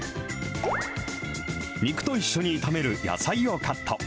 肉と一緒に炒める野菜をカット。